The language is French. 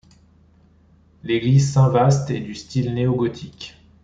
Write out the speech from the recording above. L'église Saint-Vaast est du style néogothique.